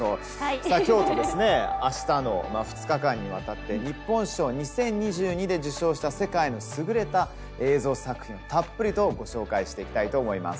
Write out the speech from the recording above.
さあ今日と明日の２日間にわたって日本賞２０２２で受賞した世界の優れた映像作品をたっぷりとご紹介していきたいと思います。